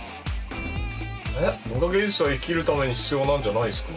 えっ文化芸術は生きるために必要なんじゃないですか？